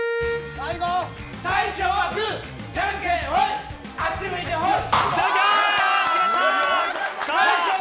最初はグーじゃんけんホイあっち向いてホイ。